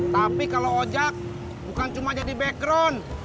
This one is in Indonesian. tapi kalau o jack bukan cuma jadi background